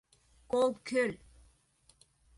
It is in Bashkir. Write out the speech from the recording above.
Кол, көл!